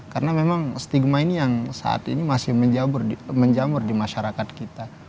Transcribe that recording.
karena memang stigma ini yang saat ini masih menjamur di masyarakat kita